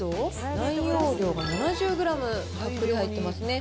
内容量が７０グラム、たっぷり入ってますね。